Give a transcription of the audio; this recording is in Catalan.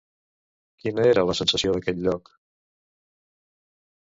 Quina era la sensació d'aquell lloc?